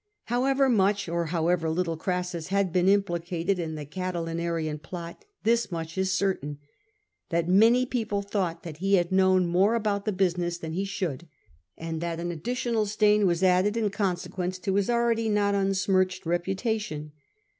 However much or however little Crassus had been implicated in the Oatilinarian plot, this much is certain, that many people thought that he had known more about the business than he should, and that an additional stain was added in consequence to his already not unsmirched reputation.